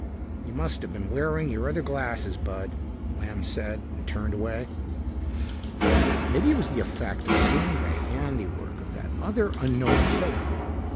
"You must have been wearing your other glasses, Bud," Lamb said and turned away. Maybe it was the effect of seeing the handiwork of that other unknown killer.